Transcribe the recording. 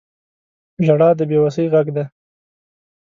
• ژړا د بې وسۍ غږ دی.